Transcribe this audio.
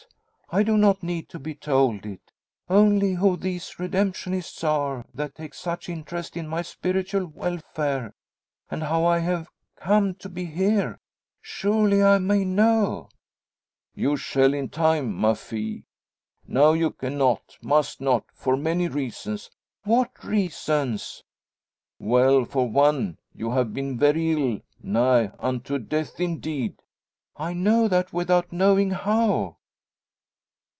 I do not need to be told it. Only, who these redemptionists are that take such interest in my spiritual welfare, and how I have come to be here, surely I may know?" "You shall in time, ma fille. Now you cannot must not for many reasons." "What reasons?" "Well; for one, you have been very ill nigh unto death, indeed." "I know that, without knowing how."